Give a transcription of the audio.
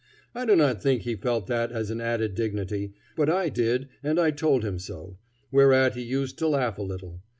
I do not think he felt that as an added dignity, but I did and I told him so, whereat he used to laugh a little.